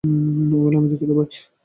Well, আমি দুঃখিত, ভাই।